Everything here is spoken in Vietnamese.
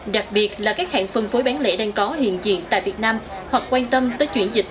đặc biệt là các hãng phân phối bán lễ đang có hiện diện tại việt nam hoặc quan tâm tới chuyển dịch